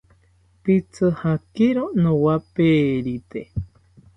Pitzijakiro nowaperite